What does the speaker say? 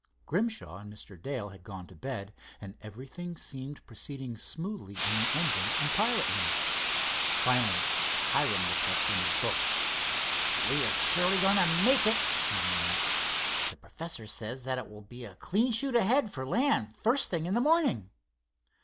Grimshaw and Mr. Dale had gone to bed, and everything seemed proceeding smoothly in engine and pilot rooms. Finally Hiram looked up from his book. "We are surely going to make it," he remarked. "The professor says that it will be a clean shoot ahead for land first thing in the morning."